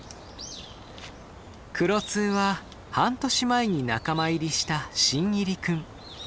クロツーは半年前に仲間入りした新入り君。